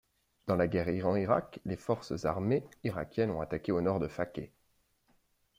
Dans la guerre Iran-Irak, les forces armées irakiennes ont attaqué au nord de Fakkeh.